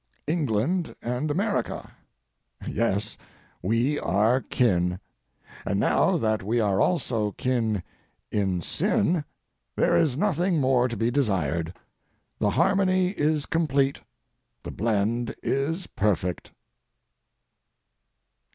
England and America; yes, we are kin. And now that we are also kin in sin, there is nothing more to be desired. The harmony is complete, the blend is perfect.